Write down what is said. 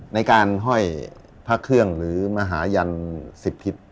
ในการห้อยพระเครื่องหรือมหายัน๑๐ทิศ